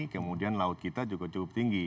kemudian laut kita juga cukup tinggi